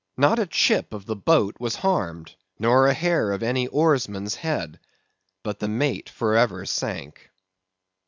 Not a chip of the boat was harmed, nor a hair of any oarsman's head; but the mate for ever sank.